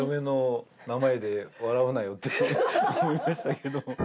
って思いましたけど。